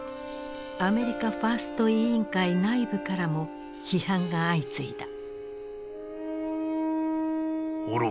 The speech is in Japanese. アメリカ・ファースト委員会内部からも批判が相次いだ。